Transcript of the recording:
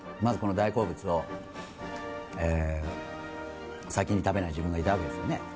まずこの大好物を先に食べない自分がいたわけですよね